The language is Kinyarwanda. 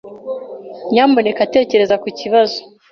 Nyamuneka tekereza ku kibazo.